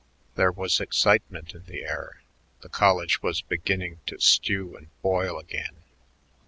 There was excitement in the air; the college was beginning to stew and boil again.